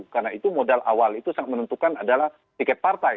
karena itu modal awal itu sangat menentukan adalah tiket partai